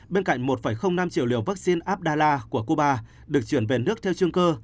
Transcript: bên cạnh một năm triệu liều vaccine abdallah của cuba được chuyển về nước theo chương cơ